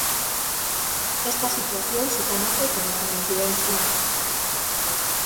Esta situación se conoce como coincidencia.